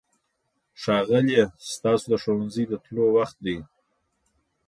ښاغلیه! ستاسو د ښوونځي د تلو وخت دی.